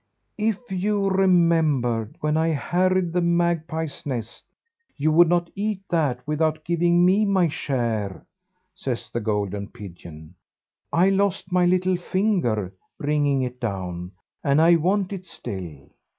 "If you remembered when I harried the magpie's nest, you would not eat that without giving me my share," says the golden pigeon; "I lost my little finger bringing it down, and I want it still."